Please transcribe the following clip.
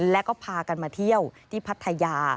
แล้วก็พากันมาเที่ยวที่พัทยา